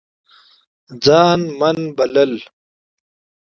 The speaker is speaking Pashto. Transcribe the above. ځان من بلل